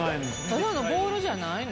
ただのボールじゃないの？